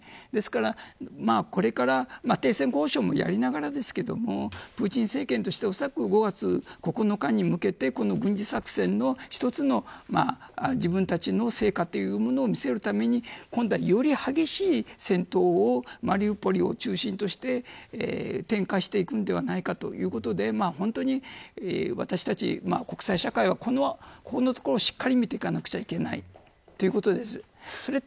ですから、これから停戦交渉もやりながらですがプーチン政権としておそらく５月９日に向けてこの軍事作戦の一つの自分たちの成果というものを見せるために今度は、より激しい戦闘をマリウポリを中心として展開していくのではないかということで本当に私たち国際社会はここをしっかり見ていかなくちゃいけないということです。